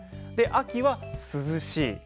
「秋」は「涼しい」。